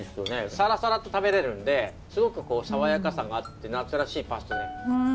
さらさらっと食べれるんですごく爽やかさがあって夏らしいパスタね。